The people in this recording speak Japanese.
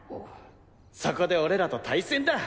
そこで俺らと対戦だ。